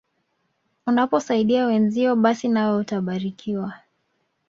Unaposaidia wenzio basi nawe utabarikiwa.